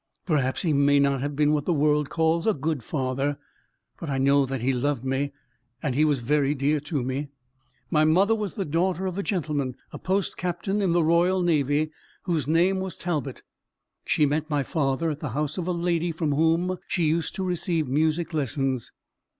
"Perhaps he may not have been what the world calls a good father; but I know that he loved me, and he was very dear to me. My mother was the daughter of a gentleman, a post captain in the Royal Navy, whose name was Talbot. She met my father at the house of a lady from whom she used to receive music lessons.